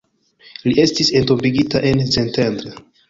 Li estis entombigita en Szentendre.